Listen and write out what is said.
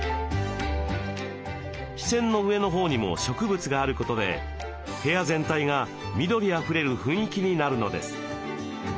視線の上の方にも植物があることで部屋全体が緑あふれる雰囲気になるのです。